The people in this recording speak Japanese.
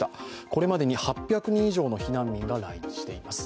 これまでに８００人以上の避難民が来日しています。